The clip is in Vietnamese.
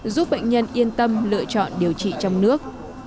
giúp bệnh nhân yên tâm lựa chọn điều trị trong nước